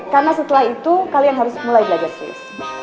karena setelah itu kalian harus mulai belajar serius